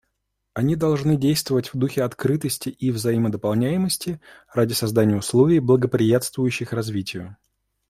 Они должны действовать в духе открытости и взаимодополняемости ради создания условий, благоприятствующих развитию.